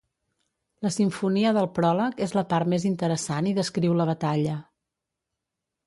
La simfonia del pròleg és la part més interessant i descriu la batalla.